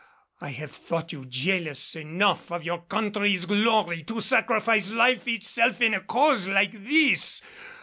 I have thought you jealous enough of your country's glory to sacrifice life itself in a cause like this!